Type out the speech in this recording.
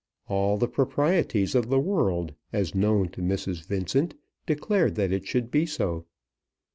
All the proprieties of the world, as known to Mrs. Vincent, declared that it should be so.